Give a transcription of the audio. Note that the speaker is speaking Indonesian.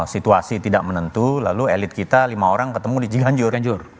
situasi tidak menentu lalu elit kita lima orang ketemu di cianjur ganjur